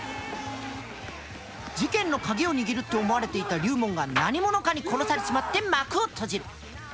事件の鍵を握るって思われていた龍門が何者かに殺されちまって幕を閉じる。